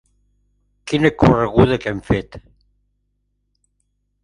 Quina correguda que hem fet!